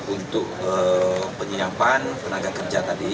untuk penyiapan tenaga kerja tadi